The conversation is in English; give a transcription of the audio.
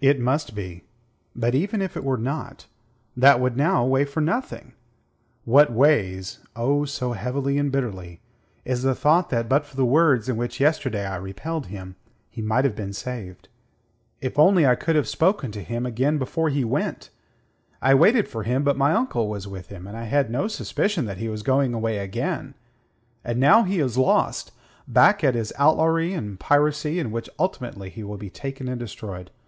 "It must be. But even if it were not, that would now weigh for nothing. What weighs oh, so heavily and bitterly is the thought that but for the words in which yesterday I repelled him, he might have been saved. If only I could have spoken to him again before he went! I waited for him; but my uncle was with him, and I had no suspicion that he was going away again. And now he is lost back at his outlawry and piracy, in which ultimately he will be taken and destroyed.